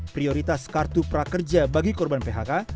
prioritas kartu prakerja bagi korban phk